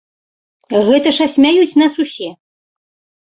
Гэта ж асмяюць нас усе!